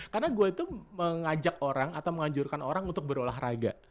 karena gue itu mengajak orang atau mengajurkan orang untuk berolahraga